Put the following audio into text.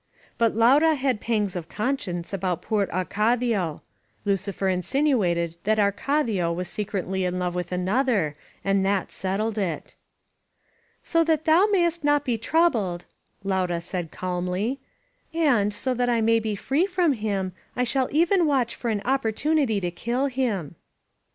But Laura had pangs of conscience about poor Arcadio. Lucifer insinuated that Arcadia was se cretly in love with another, and that settled it. "So that thou mayst not be troubled," Laura said calmly, "and, so that I may be free from him, I shall even watch for an opportunity to kill him."